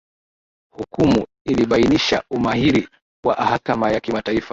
hukumu ilibainisha umahiri wa ahakama ya kimataifa